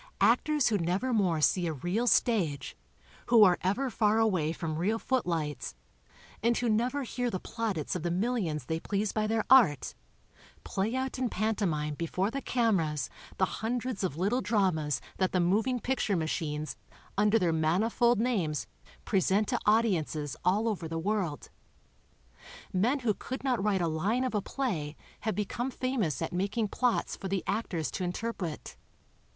Actors who never more see a real stage, who are ever far away from real footlights, and who never hear the plaudits of the millions they please by their art, play out in pantomine before the cameras the hundreds of little dramas that the moving picture machines under their manifold names present to audiences all over the world ; men who could not write a line of a play have become famous at making plots for the actors to interpret.